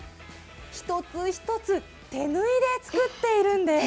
一つ一つ手縫いで作っているんです。